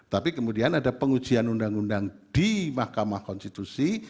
tapi kemudian ada pengujian undang undang di mahkamah konstitusi